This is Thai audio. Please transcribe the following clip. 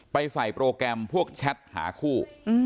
ไปใส่โปรแกรมพวกแชทหาคู่